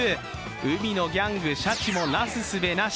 海のギャング、シャチもなすすべなし。